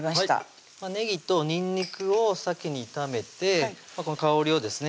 はいねぎとにんにくを先に炒めてこの香りをですね